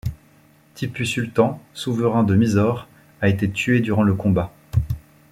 Tipu Sultan, souverain de Mysore, a été tué durant le combat.